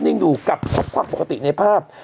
นิ่งอยู่กับความปกติในภาพ